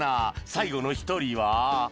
最後の一人は？